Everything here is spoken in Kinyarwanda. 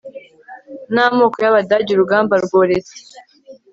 n amoko y' abadage, urugamba rworetse